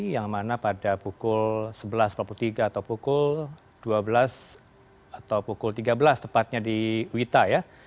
yang mana pada pukul sebelas empat puluh tiga atau pukul dua belas atau pukul tiga belas tepatnya di wita ya